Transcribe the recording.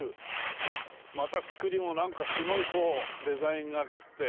また造りもなんかすごいこうデザインがかって。